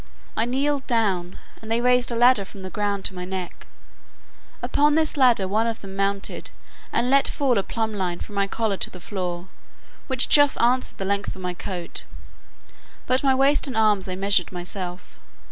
I kneeled down, and they raised a ladder from the ground to my neck; upon this ladder one of them mounted, and let fall a plumb line from my collar to the floor, which just answered the length of my coat: but my waist and arms I measured myself.